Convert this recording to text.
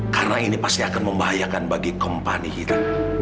karena ini pasti akan membahayakan bagi kompani kita